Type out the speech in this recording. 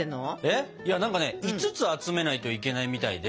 何かね５つ集めないといけないみたいで。